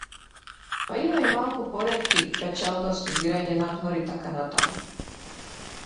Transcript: Па има и малку поретки, печалба, студирање надвор итн.